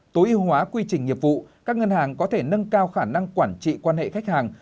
tối ưu hóa quy trình nghiệp vụ các ngân hàng có thể nâng cao khả năng quản trị quan hệ khách hàng